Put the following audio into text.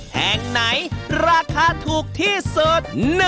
แห่งไหนราคาถูกที่สุด